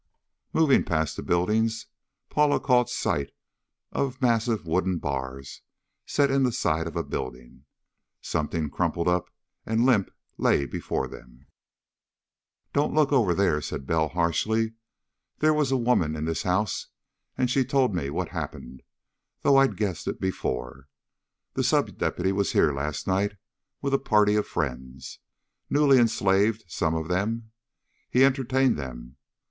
Moving past the buildings, Paula caught sight of massive wooden bars set in the side of a building. Something crumpled up and limp lay before them. "Don't look over there," said Bell harshly. "There was a woman in this house and she told me what happened, though I'd guessed it before. The sub deputy was here last night with a party of friends. Newly enslaved, some of them. He entertained them....